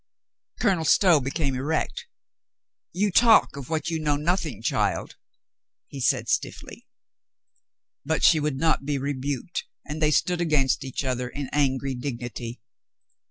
Colonel Stow became erect. "You talk of what you know nothing, child," he said stiffly. But she would not be rebuked, and they stood against each other in angry dignity.